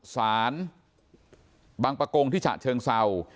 ศาลบังปะโกงที่จัดเชิงเสา